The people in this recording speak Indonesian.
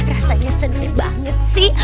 rasanya seneng banget sih